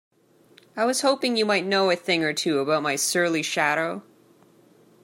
I was hoping you might know a thing or two about my surly shadow?